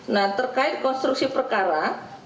nah terkait konstruksi perkara